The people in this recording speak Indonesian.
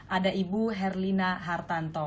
ada ibu herlina hartanto